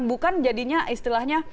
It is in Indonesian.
bukan jadinya istilahnya